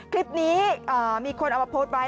คลิปนี้มีคนเอามาโพสต์ไว้